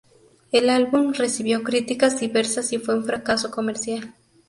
El álbum recibió críticas diversas y fue un fracaso comercial.